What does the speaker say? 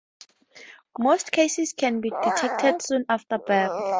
Most cases can be detected soon after birth.